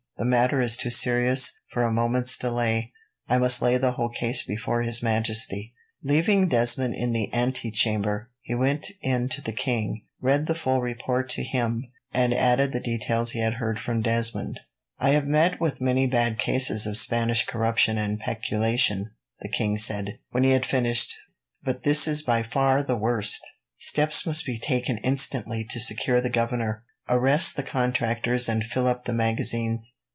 The matter is too serious for a moment's delay. I must lay the whole case before His Majesty." Leaving Desmond in the antechamber, he went in to the king, read the full report to him, and added the details he had heard from Desmond. "I have met with many bad cases of Spanish corruption and peculation," the king said, when he had finished, "but this is by far the worst. Steps must be taken instantly to secure the governor, arrest the contractors, and fill up the magazines.